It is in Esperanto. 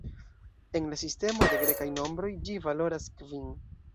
En la sistemo de grekaj nombroj ĝi valoras kvin.